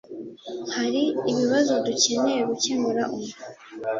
Hari ibibazo dukeneye gukemura ubu